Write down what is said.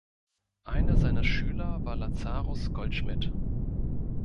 Einer seiner Schüler war Lazarus Goldschmidt.